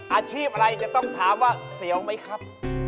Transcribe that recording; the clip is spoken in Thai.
อาชีพอะไรจะต้องถามว่าเสียวไหมครับ